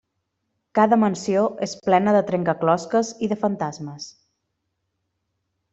Cada mansió és plena de trencaclosques i de fantasmes.